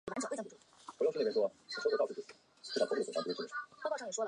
大部分歌唱都是在无伴奏合唱中完成的。